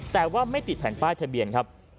แต่ว่าไม่ติดแผ่นป้ายทะเบียนครับ